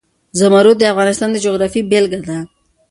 زمرد د افغانستان د جغرافیې بېلګه ده.